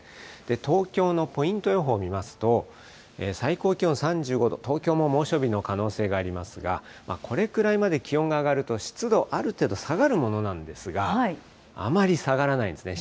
東京のポイント予報を見ますと、最高気温３５度、東京も猛暑日の可能性がありますが、これくらいまで気温が上がると、湿度、ある程度下がるものなんですが、あまり下がらないんですね。